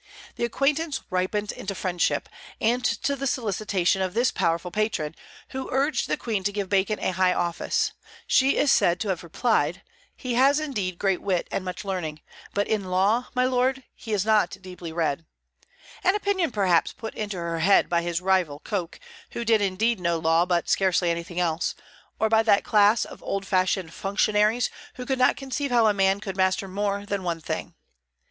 The acquaintance ripened into friendship; and to the solicitation of this powerful patron, who urged the Queen to give Bacon a high office, she is said to have replied: "He has indeed great wit and much learning, but in law, my lord, he is not deeply read," an opinion perhaps put into her head by his rival Coke, who did indeed know law but scarcely anything else, or by that class of old fashioned functionaries who could not conceive how a man could master more than one thing.